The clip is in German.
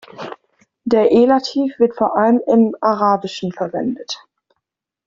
Der Elativ wird vor allem im Arabischen verwendet.